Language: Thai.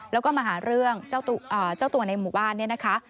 แล้วก็มาหาเรื่องเจ้าตัวในหมู่บ้านเนี่ยนะคะ